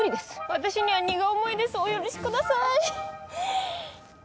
私には荷が重いですお許しください。